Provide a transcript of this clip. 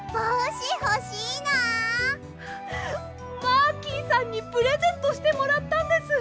マーキーさんにプレゼントしてもらったんです！